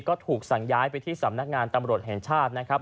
ก็ถูกสั่งย้ายไปที่สำนักงานตำรวจแห่งชาตินะครับ